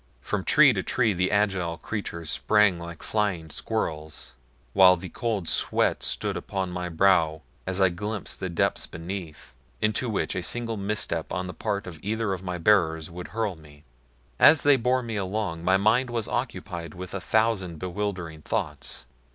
From tree to tree the agile creatures sprang like flying squirrels, while the cold sweat stood upon my brow as I glimpsed the depths beneath, into which a single misstep on the part of either of my bearers would hurl me. As they bore me along, my mind was occupied with a thousand bewildering thoughts.